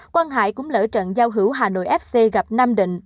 quang hải cũng lỡ trận giao hữu hà nội fc gặp nam định